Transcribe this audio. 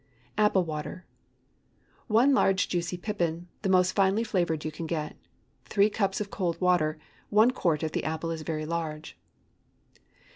APPLE WATER. ✠ 1 large juicy pippin, the most finely flavored you can get. 3 cups of cold water—1 quart if the apple is very large.